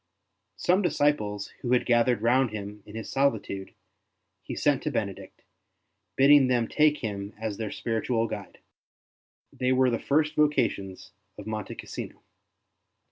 Some disciples who had gathered round him in his sohtude he sent to Benedict, bidding them take him as their spiritual guide; they were the first vocations of Monte Cassino.